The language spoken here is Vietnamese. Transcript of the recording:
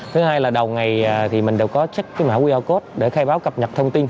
thứ hai là đầu ngày thì mình đều có check cái mã qr code để khai báo cập nhật thông tin